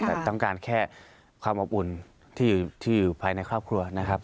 แต่ต้องการแค่ความอบอุ่นที่ภายในครอบครัวนะครับ